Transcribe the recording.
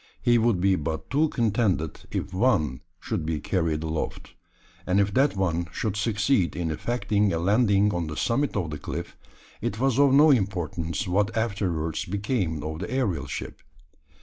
He would be but too contented if one should be carried aloft; and if that one should succeed in effecting a landing on the summit of the cliff, it was of no importance what afterwards became of the aerial ship.